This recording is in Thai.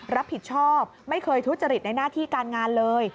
รับผิดชอบไม่เคยทุจริตในหน้าที่การงานเลย